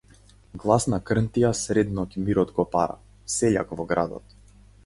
Гласна крнтија сред ноќ мирот го пара -сељак во градот.